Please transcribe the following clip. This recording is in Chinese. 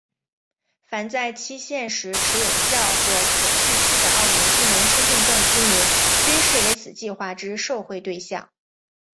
凡在限期时持有有效或可续期的澳门居民身份证居民均是为此计划之受惠对象。